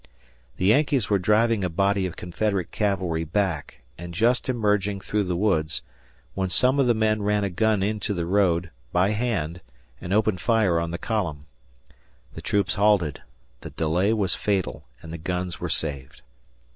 The Yankees were driving a body of Confederate cavalry back and just emerging through the woods, when some of the men ran a gun into the road, by hand, and opened fire on the column. The troops halted; the delay was fatal, and the guns were saved.